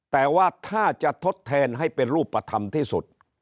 แต่ว่าถ้าจะทดแทนให้เป็นรูปธรรมที่สุด